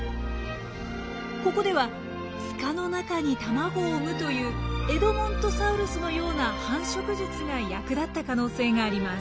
ここでは塚の中に卵を産むというエドモントサウルスのような繁殖術が役立った可能性があります。